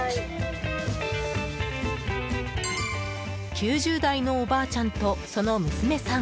９０代のおばあちゃんとその娘さん